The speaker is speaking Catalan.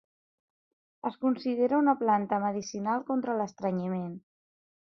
Es considera una planta medicinal contra l'estrenyiment.